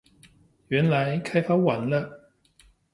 原來開發完了